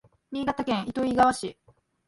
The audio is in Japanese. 新潟県糸魚川市